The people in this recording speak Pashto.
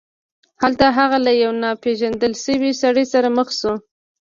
هلته هغه له یو ناپيژندل شوي سړي سره مخ شو.